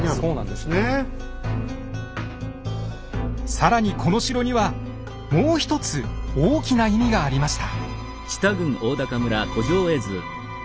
更にこの城にはもう一つ大きな意味がありました。